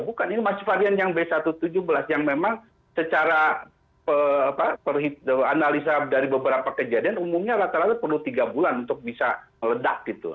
bukan ini masih varian yang b satu tujuh belas yang memang secara analisa dari beberapa kejadian umumnya rata rata perlu tiga bulan untuk bisa meledak gitu